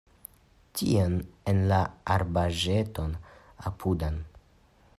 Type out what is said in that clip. Tien, en la arbaĵeton apudan.